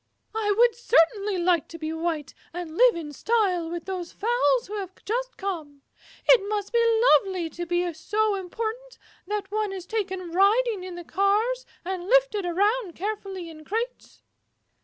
"I would certainly like to be white, and live in style with those fowls who have just come. It must be lovely to be so important that one is taken riding on the cars and lifted around carefully in crates."